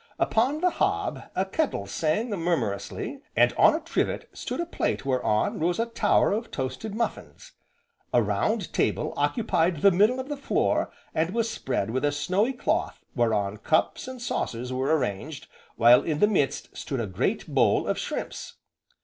Upon the hob a kettle sang murmurously, and on a trivet stood a plate whereon rose a tower of toasted muffins. A round table occupied the middle of the floor and was spread with a snowy cloth whereon cups and saucers were arranged, while in the midst stood a great bowl of shrimps.